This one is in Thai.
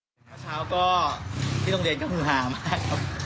เช้าก็ที่โรงเรียนก็คือหามากครับ